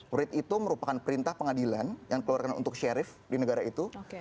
writ itu merupakan perintah pengadilan yang dikeluarkan untuk sheriff di negara itu